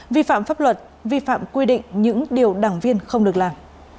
vi phạm pháp luật vi phạm quy định những điều đảng viên không được làm